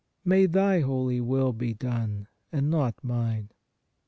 May Thy holy will be done, and not mine